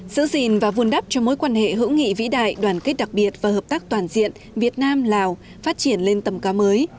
giữ gìn và vun đắp cho mối quan hệ hữu nghị vĩ đại đoàn kết đặc biệt và hợp tác toàn diện việt nam lào phát triển lên tầm cao mới